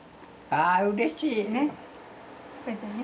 ああうれしい。